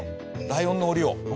ライオンの檻を。